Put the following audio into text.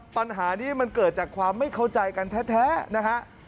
ปัญหานี้มันเกิดจากความไม่เข้าใจกันแท้นะฮะ